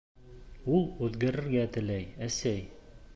Ул үҙгәрергә теләй, әсәй.